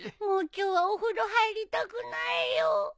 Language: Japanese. もう今日はお風呂入りたくないよ。